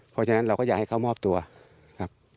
เพราะฉะนั้นเราก็อยากให้เขามอบตัวครับ